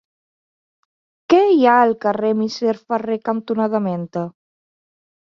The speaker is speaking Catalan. Què hi ha al carrer Misser Ferrer cantonada Menta?